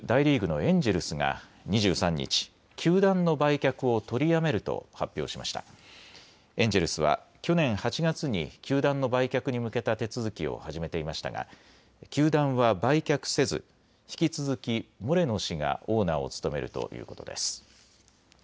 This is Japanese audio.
エンジェルスは去年８月に球団の売却に向けた手続きを始めていましたが球団は売却せず引き続きモレノ氏がオーナーを務めるということです。